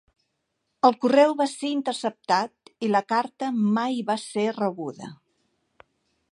El correu va ser interceptat i la carta mai va ser rebuda.